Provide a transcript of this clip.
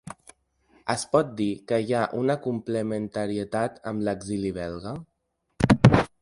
Es pot dir que hi ha una complementarietat amb l’exili belga?